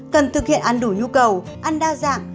cần thực hiện ăn đủ nhu cầu ăn đa dạng